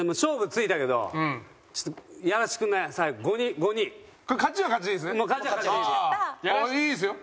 いいですよ。